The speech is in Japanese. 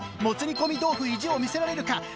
もつ煮込み豆腐意地を見せられるか。